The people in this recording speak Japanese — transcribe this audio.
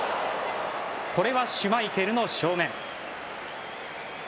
これはシュマイケルの正面。